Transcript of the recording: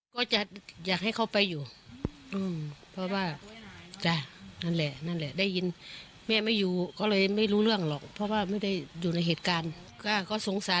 แกลูกบ้านดีทุกอย่างแกเลวด้วยแกดีใส่ก็ดี